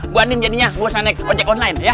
buandien jadinya bosan naik ojek online ya